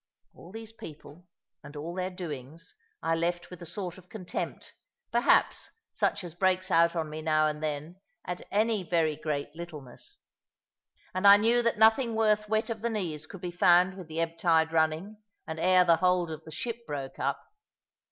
All these people, and all their doings, I left with a sort of contempt, perhaps, such as breaks out on me now and then at any very great littleness. And I knew that nothing worth wet of the knees could be found with the ebb tide running, and ere the hold of the ship broke up.